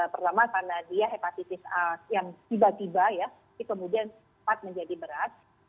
pertama karena dia hepatitis a yang tiba tiba ya kemudian cepat menjadi berat